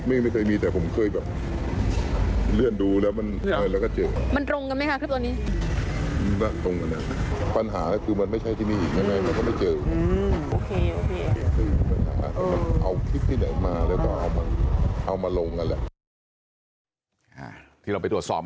เอาคลิปที่ไหนมาแล้วก็เอามาลงกันแหละ